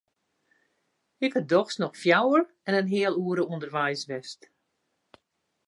Ik ha dochs noch fjouwer en in heal oere ûnderweis west.